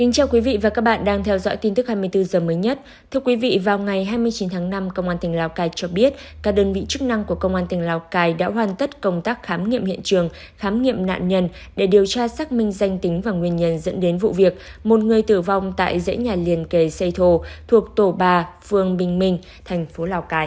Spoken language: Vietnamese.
chào mừng quý vị đến với bộ phim hãy nhớ like share và đăng ký kênh của chúng mình nhé